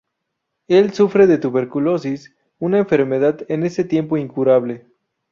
Él sufre de tuberculosis, una enfermedad en ese tiempo incurable.